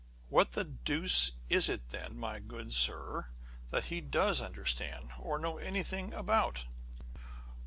" What the deuce is it then, my good sir, that he does understand, or know anything about